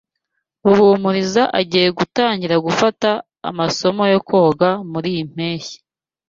Ruhumuriza agiye gutangira gufata amasomo yo koga muriyi mpeshyi.